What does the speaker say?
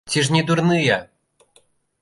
Ці ж не дурныя?